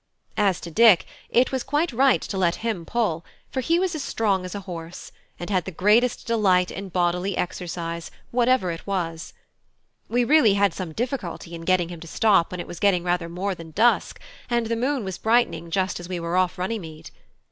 As to Dick, it was quite right to let him pull, for he was as strong as a horse, and had the greatest delight in bodily exercise, whatever it was. We really had some difficulty in getting him to stop when it was getting rather more than dusk, and the moon was brightening just as we were off Runnymede.